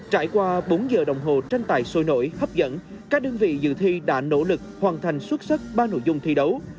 trải qua bốn giờ đồng hồ tranh tài sôi nổi hấp dẫn các đơn vị dự thi đã nỗ lực hoàn thành xuất sắc ba nội dung thi đấu